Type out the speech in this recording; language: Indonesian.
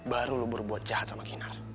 baru lo berbuat jahat sama kinar